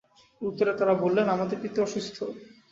উত্তরে তারা বললেন, আমাদের পিতা অসুস্থ।